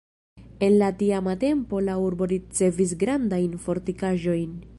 En la tiama tempo la urbo ricevis grandajn fortikaĵojn.